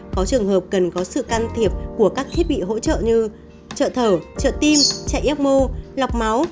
có trường hợp cần có sự can thiệp của các thiết bị hỗ trợ như trợ thở trợ tim trẻ yếp mô lọc máu